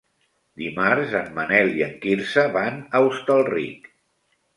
Dimarts en Manel i en Quirze van a Hostalric.